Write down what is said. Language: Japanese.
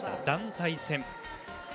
団体戦。